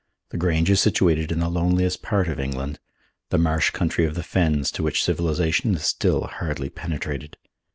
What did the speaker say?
The Grange is situated in the loneliest part of England, the marsh country of the fens to which civilization has still hardly penetrated.